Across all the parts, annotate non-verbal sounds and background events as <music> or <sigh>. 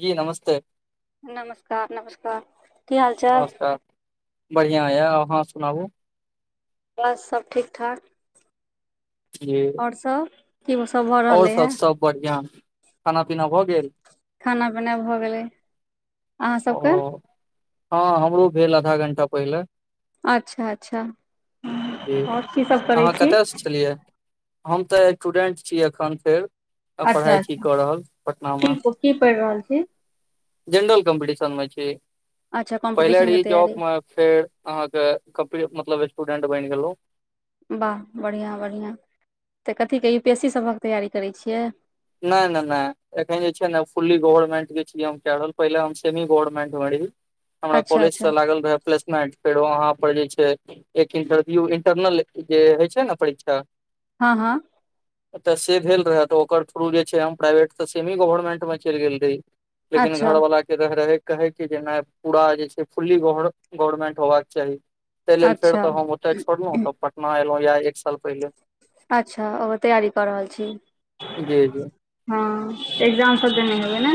जी नमस्ते नमस्कार नमस्कार की हाल चाल बढ़िया यऽ अहाँ सुनाबू बस सब ठीक ठाक <unintelligible> आओर सब <unintelligible> आओर सब सब बढ़िया खाना पीना भऽ गेल खाना पीना भऽ गेलै अहाँ ओ सबके हँ हमरो भेल आधा घण्टा पहिले अच्छा अच्छा जी आओर की सब करै अहाँ छी कतयसँ छलियै हम तऽ स्टूडेंट छी अखन फेर अच्छा पढ़ाई छी अच्छा कऽ रहल पटना की मऽ की पढ़ि रहल छी जेनरल कॉम्पिटिशन मऽ छी अच्छा कॉम्पिटिशन के पहिली तैयारी जॉब मऽ फेर अहाँ केँ कपरे मतलब स्टूडेंट बैन गेलो वाह बढ़िया बढ़िया तऽ कथि केँ यू पी एस सी सभक तैयारी करै छियै नय नय नय एखन जे छै नऽ फुली गवर्नमेंट केँ छी हम कैय रहल पहिले हम सेमी गवर्नमेंट मे रही हमरा अच्छा अच्छा कॉलेजसँ लागल रहै प्लेसमेंट फेर वहाँ पर जे छै एक इंटरव्यू इंटरनल जे होइ छै नऽ परीक्षा हँ हँ एतऽ से भेल रहए तऽ ओकर थ्रू जे छै हम प्राइवेट तऽ सेमी गवर्नमेंटमे चैल गेल रही लेकिन अच्छा घरवला रैह रहै कहै की जेना पूरा जे छै फुल्ली गवर गवर्मेंट होबाक चाही ताहि लेल फेर अच्छा तऽ हम ओतय छोड़लहुँ तऽ पटना एलहुँ या एक साल पहिले अच्छा ओकर तैयारी कऽ रहल छी। जी जी हँ एग्जाम सब देने हेबै ने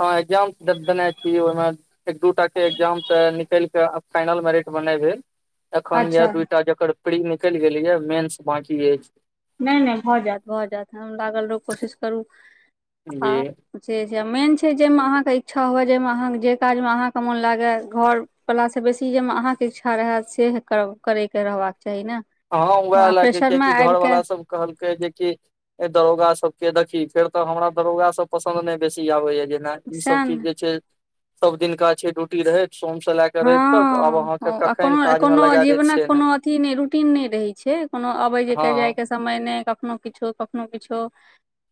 हँ एग्जाम दे देने छी ओहिमे एक दूटा के एग्जाम तऽ निकेल के आ फाइनल मेरिट बनेबे एखन य अच्छा दुटा जकर प्री निकलि गेलै या मेन्स बाकी अछि नहि नहि भऽ जायत भऽ जायत एकदम लागल रहौ कोशिश करू आ जी से छै मेन छै जाहिमे अहाँके इच्छा हुए जाहिमे अहाँ जे काजमे अहाँके मोन लागय घर पलासँ बेसी जाहिमे अहाँके इच्छा रहय से कर करयके रहबाक चाही नऽ हँ उएह लएक कियकि घर वाला सब कहलकै जेकि ए दरोगा सब के देखी फेर तऽ हमरा दरोगा सब पसंन्द ने बेसी आबे या जे ना ई सब सएह चीज ने जे छै सब दिनका छै ड्यूटी रहै। सोम से लए कऽ रेव तक आब हँ अहाँके आ कखन कोनो काज मे कोनो लगा देत जीवनक से नहि कोनो अथी नहि रूटीन नहि रहै छै कोनो अबै हँ जायके समय नहि कखनो किछो कखनो किछो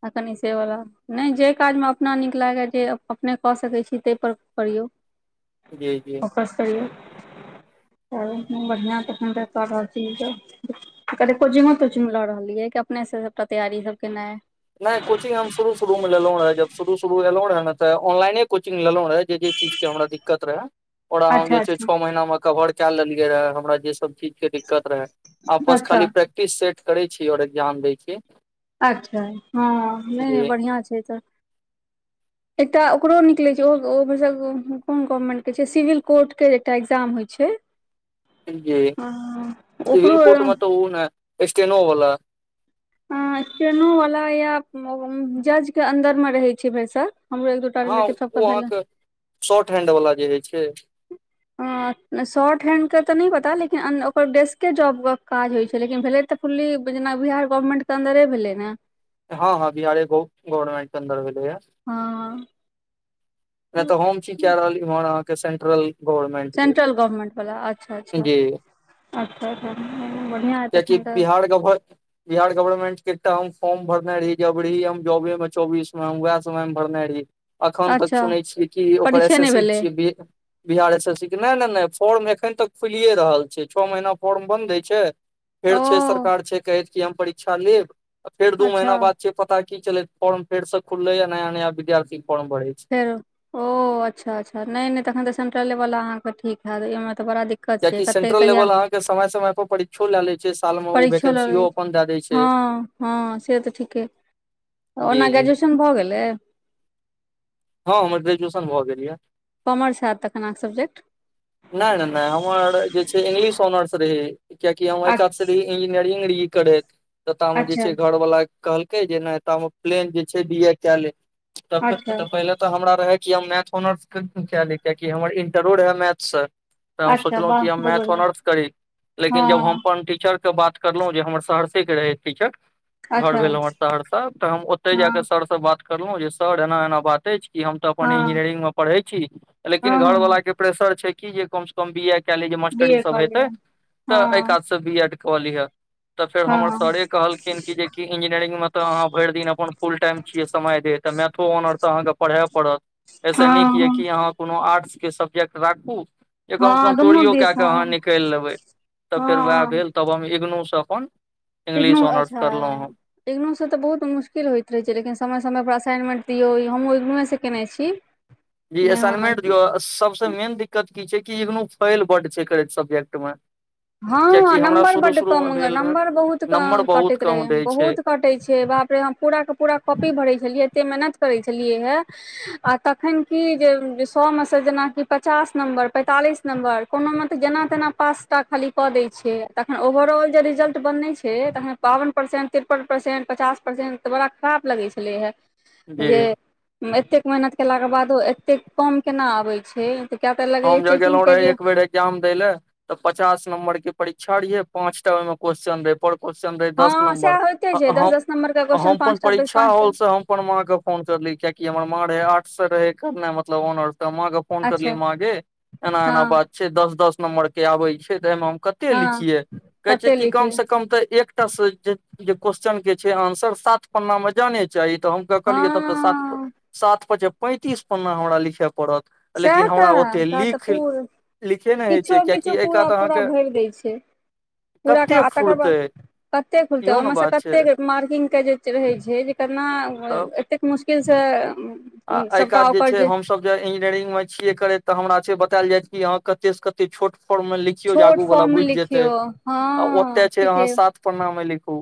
अखनि सेवाला नहि जे काजमे अपना नीक लागय जे अपने कऽ सकैत छी ताहिपर करियौ जी जी बढ़िआ <unintelligible> कतय कोचिंगो तोचिंग लऽ रहलियै कि अपने सऽ सबटा तैयारी सब केनाइै नहि कोचिंग हम शुरू शुरू मे लेलों रहे जब शुरू शुरू एलोन तऽ ऑनलाइने कोचिंग लेलों रहे जे जे चिज के हमरा दिक्कत रहा ओकरा अच्छा हमजे छैय अच्छा छः महिना मऽ कभर केए लेलियै रहे हमरा जे सब चीज के दिक्कत रहे आब बस अच्छा खाली प्रैक्टि टिस सेट करै छी और एग्जाम दै छी- अच्छा हँ नहि नहि जी बढ़िआँ छै तऽ <inaudible> एकटा ओकरो निकलै छै ओ ओ भैरसक कोन गवर्नमेन्टके छै सिविल कोर्टके एकटा एग्जाम होइ छै जी ओकरो सिविल कोट मऽ तऽ ऊना स्टेनो वाला हँ स्टेनो वाला या जज के अन्दर मे रहे छय भरिसाक हमरो एक दु टा हँ ओ अहाँके शॉर्ट हैण्ड वाला जे होइ छैय हँ शॉर्ट हैण्डके तऽ नहि पता लेकिन ने ओकर बेसिके जॉबके काज होइ छै लेकिन भेलै तऽ फुली बुझनाई जेना बिहार गवर्नमेंन्ट के अंन्दरे भेलै नऽ हँ हँ बिहारे गवर्नमेंन्ट के अंन्दर भेले ओय हँ नहि तऽ हम कि कऽ रहल इम्हर अहाँके सेंट्रल गवर्नमेंट के सेंट्रल गवर्नमेंन्ट वाला अच्छा अच्छा जी अच्छा अच्छा बढ़िआँ कियाकि तखन तऽ <unintelligible> बिहार गवर्नमेंट के एकटा हम फॉर्म भरने रही अबरी हम जौबे में चौबीस में हम वएह समय भरने रहि एखन तक अच्छा सुनै छियै कि ओकर परीक्षे एस नहि एस सी भेलै छियै B Bihar S S C के नहि नहि नहि फॉर्म एखन तक खुलिए रहल छै छः महीना फॉर्म बन्द होइ छै- ओ फेर छै सरकार छै कहैत कि हम परीक्षा लेब फेर दू अच्छा महीना बाद छै पता की चलैत फॉर्म फेर सऽ खुलै आ नया नया विद्यार्थी फाॅर्म भरे छै फेरो ओ अच्छा अच्छा नहि नहि तखन ते सेंट्रल वला अहा के ठीक हयत ऐमे तऽ बड़ा दिक्कत छै कियाकि कते सेंट्रल कहिया लेवल अहाँके समय समय पर परीक्षो लए ले छै साल मे ओ परीक्षो लगे वैंकेसीयो अपन दए दय हँ छैय हँ से तऽ ठीके जी ओना जी ग्रेजुएशन भऽ गेलैय हँ हमर ग्रेजुएशन भऽ गेल यऽ कॉमर्स हयत तखन अहाँके सब्जेक्ट नहि नहि नहि हमर जे छै इंग्लिश ऑनर्स रहै कियकि हम ओए कात से रही इंजीनियरिंग करैत तऽ तामे जे अच्छा छै घर वाला कहलकै जे नहि तमे प्लेन जे छै बी ए कऽ ले अच्छा तऽ पहिले ते हमरा रहे कि हम मैथ ऑनर्स कऽ केलै कियकि हमर इणटरो रहै मैथसँ तऽ हम अच्छा सोचलहुँं वाह कि हम बहुत मैथ बढ़िआँ ऑनर्स करी लेकिन जब हम हँ अपन टीचरके बात करलो जे हमर सहरसा के रहे टीचर घर अच्छा भैल हमर सहरसा हम ओते जाय के हँ सर से बात करलहुं जे सर एना एना बात तेछ हम तऽ अपन हँ इंजीनियरिंग मे पढ़ै छी लेकिन हँ घर हँ वलाा के प्रेसर छै कि हम बी ऐड कऽली बी मास्टरी ए सब कऽ हेतै लिअ तऽ एहि हँ कात सऽ बी एड कऽ लीहे तऽ फेर हमर हँ सरे कहलखिन कि जेकि इंजीनियरिंग मे तऽ आहाँ- भरि दिन अपन फुल टाइम छियै समय दे तऽ मैथो ऑनर्स अहाँके पढ़य पड़त एहिसँ हँ नीक यए हँ कि अहाँ कोनो आर्ट्सके सब्जेक्ट राखू जे कमसँ कम हँ दुनू चोरिओ कए दिस कऽ हँ अहाँ निकालि लेबै तऽ फेर उएह हँ भेल तब हम इगनूसँ अपन इग्नू इंग्लिश ऑनर्स अच्छा करलहुँ हम इग्नू सऽ तऽ बहुत मुश्किल होइत रहै छै लेकिन समय समयपर असाइनमेंट दियौ हमहुँ इग्नूसे केयने छी जी असाइनमेंट हँ दियौ सबसँ मेन दिक्कत की छै कि इग्नू फेल बड छै करैत सब्जेक्ट मे हँ कियाकि हमरा नम्बर शुरू बड शुरू कम मे भेल रहै नम्बर बहुत नम्बर बहुत कटैत कम रहै दै छै बहुत कटैत छै बाप बाप रे हम पूरा के पूरा कॉपी भरै छलियै एते मेहनत करै छलियै हे आ तखन की जे सएमेसँ जेनाकि पचास नम्बर पैंतालीस नंबर कोनोमे तऽ जेना तेना पास टा खाली कऽ दै छै तखन ओवरऑल जे रिजल्ट बनने छै तखन बावन परसेंट तिरपन परसेंट पचास परसेंट तऽ बड़ा खराब लगे छले हेय जी जे एतेक मेहनत केलाके बादो एतेक कम केना आबै छैऽ कए तऽ लगैएा चेकिंगके जे ए्जाम दऽ ले तऽ पचास नम्बर के परीक्षा रहियै पांच टा ओहिमे क्वेस््चन देे पर क्वेेश्चन दे दस हँ सएह नम्बर होइते छै दस हम दस नम्बर के क्वेश्चन अपन पाँचटा बेर परीक्षा पाँचटा हॉल सऽ हम अपन माँ कऽ फोन करली कियाकि हमर माँ रहे आठ से रहे करना मतलब ऑनर त माँ के फोन करलि अच्छा माँ एना एना हँ बात छै दस दस नं्बर के आबे छै तऽ एहिमे हम कत कते हँ लिखिए कहै छै कते कि लिखी कम से कम तऽ एकटा से जे क्वेश्चनके छै आंसर सात पन्नामे जाने चाही तऽ हम कऽ कहलियै तब तऽ सात हँ सात पचे पैंतीस पन्ना हमरा लिखए पड़त लेकिन सएह हमरा तऽ ओते सेह तऽ लिख पू लिखे नहि होइ छै किछो किछो कियकि एहि पूरा कात पूरा अहाँके भरि दै छै। पूरा कऽ कते आ तकर बाद- फुरतै कतेक खुलतै इहो ने ओहिमे सँ बात छै कतेक मार्किंग के जे रहै छै जे केतना तऽ कतेक मुश्किल से आ एहि कात सभटा जे ओकर छै हमसभ <unintelligible> ई्जिनियरिंग मऽ छिये करय तऽ हमरा छैय बताईल जाय कि कतय सऽ कतय छोट पर मऽ लिखि ियो छोट जागू वला फॉर्म मे बुझि जेतै लिखियौ आ हँ ओते छै अहाँ ठीके सात परनाा मे लिखू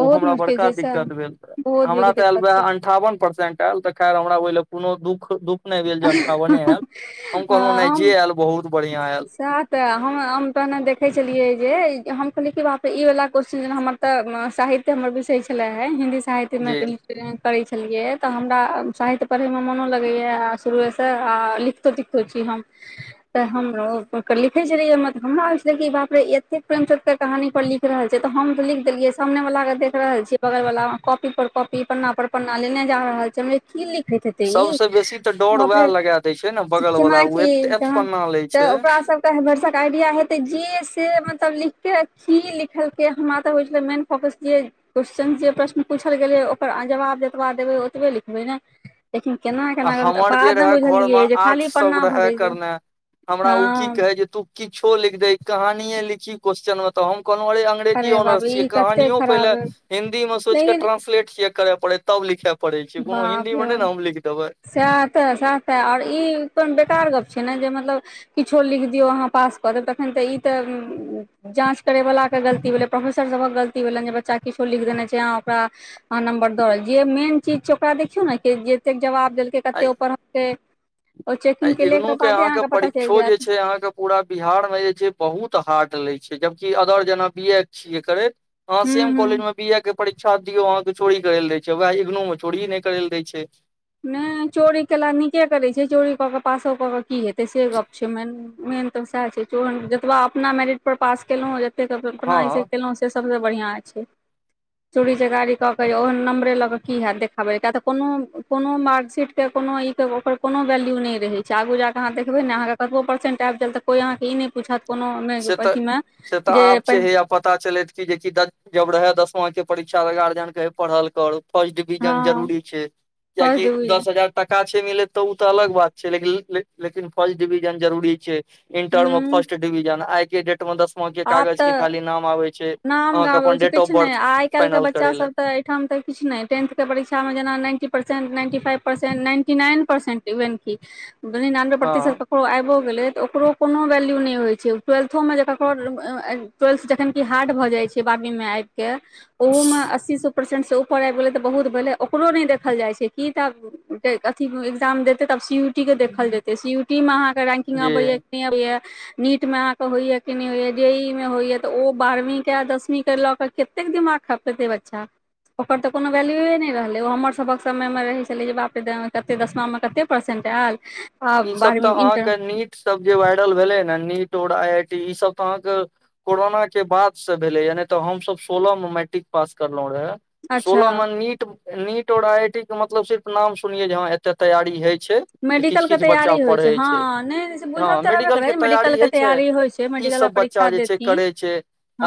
ओ हमरा मुश्किल बड़का छै सएह दिक्कत भेल रह बहुत बड़ी हमरा तऽ एल दिक्कत छै अंठावन परसेंट एल तऽ खाईर हमरा ओहि लए कोनो दुःख दुःख नहि भेल जे अंठावने आयल हम कहलहुँ ने हँ हम जे आयल बहुत बढ़ियां आयल सएह ते हम तहने देखे छलियै जे हम कहलियै कि बापे ई वालला क्वस््चन जे हमर तऽ साहित्य हमर विषय छले हे हिन्दी साहित्य जी हि करै छलियै तऽ हमरा साहित्य पढ़ैमे मोनो लगैए शुरुएसँ आ लिखतो तिखतो छी हम लिखे छल हमरा हो छलाप रे एते प्रेम चंकर कही पर लख लिख रहल छैय तऽ हम तऽ लिख देलियै सामने वाल के देख रहल छीियै बगल वाला कॉपी पर कॉपी पन्ना पर पन्ना लेने जा रहल छैय। की लिखैत हेते ई सबसँ बेसी तऽ डर वएह वह लगा दै छै ने बगल वाला शिक्षमा केना ओ एत कि एत त पन्ना लै <unintelligible> छै सबके बरसक आइडिया हेतै जे से मतलब लिखिक की लिखलकै हमरा तऽ होइ छलै मेन फोकस जे क्वेश्चन जे प्रश्न पूछल गेलै ओकर जवाब जतबा देबै ओतबे लिखबै ने लेकिन केना आ केना हमर जे बाद मे रहए घरमे बुझलियै जे आर्ट्स खाली सब पन्ना रहए भरै छैय करने हमरा ओ की कह जे तू किछो लिख दही कहानीए लिखी क्वेस्चन मे तऽ हम कहलहु अरे अंग्रेजी बाप ऑनरस रे छीेयै ई कते कहानियो पहिले खराब अइ हिन्दी मे सोच के लेकिन ट्रांलेट छ करे पड़े त लिख परय छैय कोनो बाप हिन्दी मे ने रे हम लिख देबै सएह तऽ सएह तऽ आओर ई को बेकार गप्प छैय ने जे मतलब किछो लिख दियौ अहाँ पास करऽब तखन तऽ ई तऽ जाँच करय वालला के गलती भेलै प्रोफेसर सभक गलती भेलनि जे बच्चा किछो लिख देने छैय ओकरा आहां नम्बर दोर जे मेन चीज छैय ओकरा देखियौ ने कि जतेक जवाब देलकै कतेक परलकै आ इगनू के अहाँके परीक्षो जे जायत छैय अहाँके पूरा बिहारमे जे छैय बहुत हार्ड लै छैय जबकि अदर जेना बी ए छियै करैत ह सी हूं एम कॉलेज हूं मे बी ए के पढ़ छ दियौ अहाँ के चोरी कर ल दै छैय वएह इंग्नो मे चोरी कर ले दै छैय नहि चोरी केल नीके करैत छैय चोरी कऽ केऽ पासो कऽ के की हेतै से गप छैय मे मेन। तऽ सएह छैय च जतबा अपना मेरिट पर पास केलहु जत अपना हँ ई केलहु से सबसँ बढ़िआँ छैय। चूड़ी जे गाड़ी क के य ओह नंबरे लऽ क की हैत देखाबै किया तऽ कोनो कोनो मार्कशीट के कोनो ई के ओकर कोनो वैल्यू नहि रह छैय आगू जाकऽ अहाँ देखबै ने अहाँके कतबो परसेंट आबि जायत तऽ कोइ अहाँके ई नहि पूछत कोनो से तऽ अथीमे से तऽ जे आब छै हैया पता चलैत की जेकि जब रहे दसमा के परीक्षा गार्जियन केे पढ़ल करु। फर्स्ट डिविजन हँ जरूरी छैय फर्स्ट कियकि दस डिवीजन हजार टाका छैय मिले तऽ ओ तऽ अलग बात छैय लेकिन लेकिन फर्स्ट डिविजन जरूरी छैय। इन्टरमे हूँ फर्स्ट डिविजन आइ के डेट ठ दसमाके आब कागज के तऽ खाली नाम आबै छैय नाम अहाँके गाबै अपन छै डेट ऑफ किछु नहि बर्थ आइ काल्हिके फाइनल बच्चा करै ल। सब तऽ एहिठाम तऽ किु नहि टेथके परीक्षामे जेना ninety percent ninety five percent ninety nine percent even कि निनानबे प्रतिशत हँ ककरो आबिो गेलै तऽ ओकरो कोनो वैल्यू नहि होइ छैय ट्वेल्थोमे जख टेल्थ जखन हार्ड भऽ जाइ छैय बारहवींमे आबि कऽ ओहोमे असी से परसेंट से ऊपर आबि गेलै तऽ बहुत भेलै ओकरो नहि देखल जाइ छैय की तऽब अथी एकग्जाम देते तब सी यू टी के देखल जेत त सी यू टी मे अहाँ के रैंकिंग अबे जी या अबै या नट में अहाँ के होइया क नहि होइया जे ई मे होइया तऽ ओ बारहवीं के दसवीं के लऽ क कतेक दिमाग खपेतै बच्चा ओकर तऽ कोनो वैल्यूए नहि रहलै ओ हमरसभक समयमे रहै छलै जे बाप रे कते दशमामे कतेक पर्सेंट आयल। आ ई सब तऽ बारहवीं मे इंटर अहाँके नीट सब जे वायरल भेले ने नीट और आई आई टी ई सब तऽ अहाँके कोरोना के बाद से भेलै य नहि तऽ हमसभ सोलह मे मैट्रिक पास करलहुं रहे। अच्छा सोलह मे नीट नीट और आई आई टी के मतलब सिर्फ नाम सुनिये जे ह एते तैयारी होइ छैय। तऽ किछु मेडिकल के किछु बच्चा तैयारी होइ पढ़ै छै हँ नहि से हँ बुझल तऽ रहबे मेडिकलके करै मेडिकल तैयारी के होइ छै तैयारी होइ छै ई मेडिकल सब बच्चा परीक्षा जे छै देथिन करै छै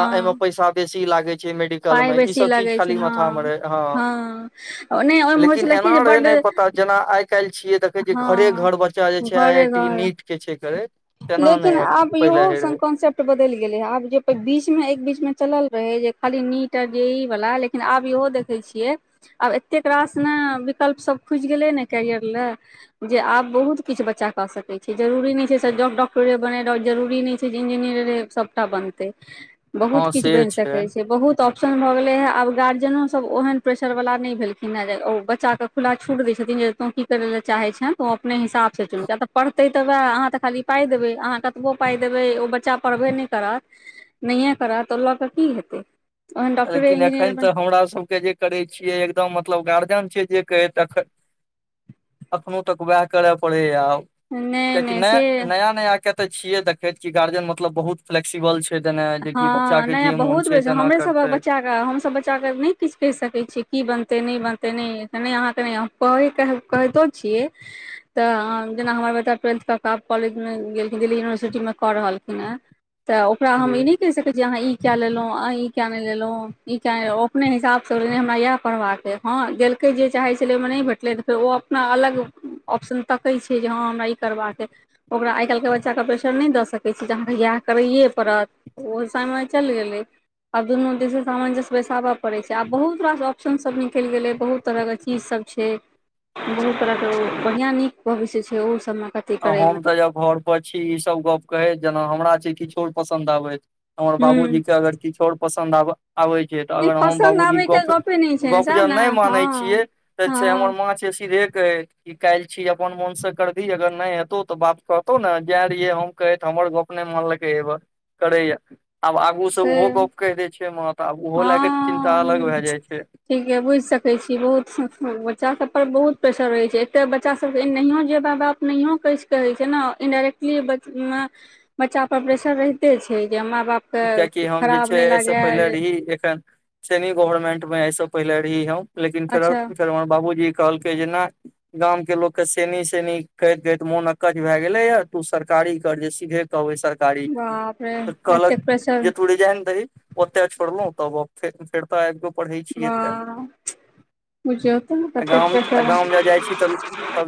आ एहिमे पैसा बेसी लागै छै मेड डिकल पाइ मे ई बेसी सब चीज लगै छै खाली हँ माथा मऽ रहे हँ हँ नहि ओहिमे होइ लेकिन छलै कि अना जे बड्ड रहेय जेना आय आइ काल्हि छियै देखै छऽ हँ घरे घर बच्चा जे छै आई आई घरे टी घर नीट के छै करैत तेना लेकिन नहि आब पहिले यहो होइ रहै सब कॉन्सेप्ट बदलि गेले है आब जे बीच मे एक बीच मे चल रहै जे खाली नीट आ जे ई वाला लेकिन लेकिन आब इहो देखै छियै आब एतेक रास ने विकल्प सब खुजि गेलै ने कैरियर लए जे आब बहुत किछु बच्चा कऽ सकैत छै जरुररी नहि छै डॉक्टरे बनय जरुररी नहि छै जे इंजीनियरे सभटा बनतै बहुत हँ किछु से बनि सके छै बहुत तऽ ऑप्शन भऽ गेलै हँ आब गार्जियनोसभ ओहन प्रेशर वला नहि भेलखिन हँ जे ओ बच्चाके खुला छूट दै छथिन जे तोँ की करै ल चाह छ त ओ अपने हिसाबसँ चुनऽ पढ़त तऽह खाली पाइ देबै अहाँ कतबो पाइ देबै ओ बच्चा पढ़बे नहि करत नहिये करै तऽ ओ लऽ के की हेतै ओहन डॉक्टरे लेकिन इंजीनियर एखन बन तऽ हमरा सभके जे करै छियै एकदम मतलब गार्जियन छिय जे कहैत अखनो तक उएह करय पड़ैए आब नहि कियकि नहि नय से नया नया तऽ छिये देखैत क गार्जियन मतलब बहुत फ्लेक्सिबल छै ना जेकि बच्चा के जे मोन छै तेना कर बच्च हमसभ बच्चाके नहि किछु कहि सकैत छिये की बनतै नहि बनतै नहि नहि अहाँके नहि। <unintelligible> केह केहीतो छियै। तऽ जेना हमर बेटा ट्वेल्थ कब कॉलेजमे गेलखिन दिल्ली यूनिवर्सिटी मे कऽ रहलखिन है। तऽ ओकरा हम ई ने कहि सकै छी अहाँ ई कऽ लेलो इ के नहि लेलो इ किया नहि अपने हिसाब से हमरा इएह पढ़बाक ये हऽ गेलकय जे चाहे छले ओहि मे नहि भेटले त फेर ओ अपना अलग ऑप्शन तके छै जे हं हमरा ई करबाके ओकरा आइ काल्हिके बच्चाके प्रेशर नहि दऽ सकैत छी जे अहाँके इएह करैए पड़त ओ समय चलि गेले आब दुनु दिश सामंजस्य बेठाबय पड़े छै आब बहुत रास ऑप्शन सब निकल गेले बहुत तरह के चीज सब। छै बहुत तरहके बढ़िआँ नीक भविष्य छै ओ सबमे मे। कथी आ करे हम तऽ अब घर परर छी ईसभ गप कहैह जेना हमरा जे किछोर पसन्द आबैत। हमर बाबूजी कऽ अगर किछु आओर पसन्द आब आबै। तऽ ह अगर हम पसन्द बाबूजी आबे ग के गपे नहि छै ने गप सएह जन ने नहि मानै छियै हँ तऽ से हमर हँ माँ छै सीधे। काल छीय अपन मन सऽ करबिही अगर। नहि हेतौ तऽ बाप कहतो नऽ जे रहिये हम कहेत हमर गप नहि मनलकै। करे या। आब आगु सऽ से ओहो गप कहि देय छैय तऽ आब ओहो लए क चिन्ता अलग हँ भए जाइ छैय। ठीक के बुझि सकैत छीय बहुत बच्चा सब पर बहुत प्रेेशर रहै छै एतय बच्चा सबके एनयो जे में बाप। नहियो कहै कहै छै ने इन्डायरेक्टली बचमे। बच्चा पर प्रेशर रहिते छैय जे माँ बाप। कियकि हम जे छैय एहिसँ पहिले रहीए एखन। सेनी गवर्नमेंट में एहिस पहिले रही हम लेकिन फेर अच्छा फेर हमर बाबूजी कहलकै जेना नै। गाम के लोक के सेनी सेनी कहैत कहैत मोन अकच भए गेले या तु सरकारी कर जे सीधे कहबै सर। सरकारी बाप रे तऽ कहलक। एतेक प्रेशर तु रिजाइन दही ओतय छोड़लहु तब फेर तऽ आबि पढ़ै छैयै एतऽ। वाह बुझियौ तऽ आ कतेक गाँव आ प्रेशर गाँव ज जाइ छीह तऽ। तब